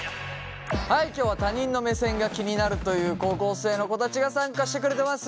はい今日は他人の目線が気になるという高校生の子たちが参加してくれてます。